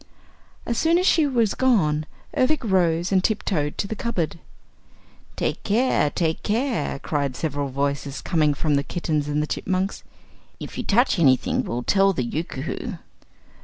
As soon as she was gone, Ervic rose and tiptoed to the cupboard. "Take care! Take care!" cried several voices, coming from the kittens and chipmunks. "If you touch anything we'll tell the Yookoohoo!"